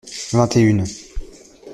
Vingt et une.